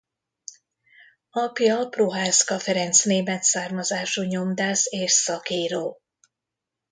Apja Prohászka Ferenc német származású nyomdász és szakíró.